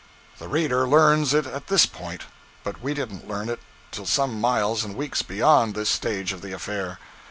The reader learns it at this point; but we didn't learn it till some miles and weeks beyond this stage of the affair.